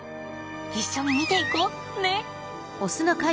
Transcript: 一緒に見ていこ！ね！